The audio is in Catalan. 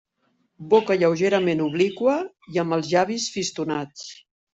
Boca lleugerament obliqua i amb els llavis fistonats.